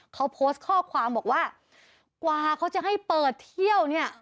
เขาโพสต์ข้อความบอกว่ากว่าเขาจะให้เปิดเที่ยวเนี่ย